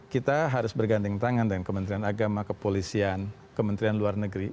kita harus berganding tangan dengan kementerian agama kepolisian kementerian luar negeri